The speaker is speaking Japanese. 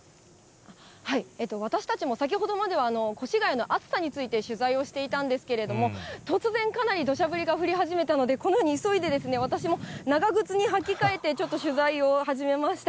私たちも先ほどまでは越谷の暑さについて取材をしていたんですけれども、突然、かなりどしゃ降りが降り始めたので、このように、急いで、私も長靴に履き替えてちょっと取材を始めました。